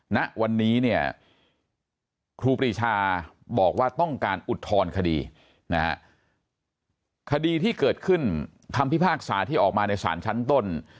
ณวันนี้เนี่ยครูปรีชาบอกว่าต้องการอุทธรณคดีนะฮะคดีที่เกิดขึ้นคำพิพากษาที่ออกมาในศาลชั้นต้น